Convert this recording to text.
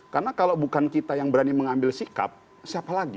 karena kalau bukan kita yang berani mengambil sikap siapa lagi